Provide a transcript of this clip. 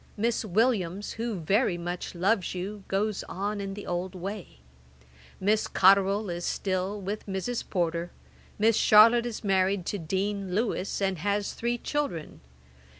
Miss Williams, who very much loves you, goes on in the old way. Miss Cotterel is still with Mrs. Porter. Miss Charlotte is married to Dean Lewis, and has three children.